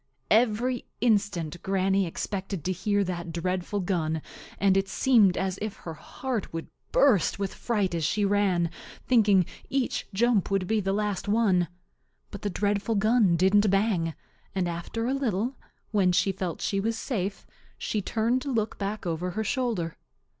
Every instant Granny expected to hear that dreadful gun, and it seemed as if her heart would burst with fright as she ran, thinking each jump would be the last one. But the dreadful gun didn't bang, and after a little, when she felt she was safe, she turned to look back over her shoulder.